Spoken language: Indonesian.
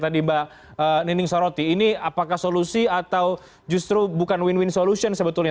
tadi mbak nining soroti ini apakah solusi atau justru bukan win win solution sebetulnya